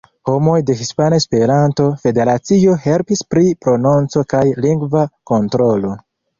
Homoj de Hispana Esperanto-Federacio helpis pri prononco kaj lingva kontrolo.